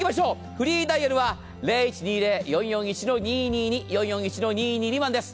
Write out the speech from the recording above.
フリーダイヤルは０１２０‐４４１‐２２２４４１‐２２２番です。